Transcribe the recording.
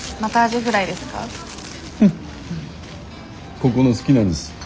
ここの好きなんです。